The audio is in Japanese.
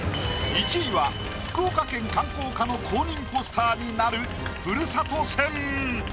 １位は福岡県観光課の公認ポスターになるふるさと戦。